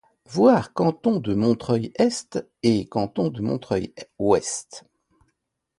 Voir Canton de Montreuil-Est et Canton de Montreuil-Ouest.